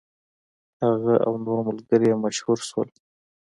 هغه او نور ملګري یې مشهور شول.